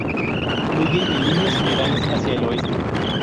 Fluye en líneas generales hacia el oeste.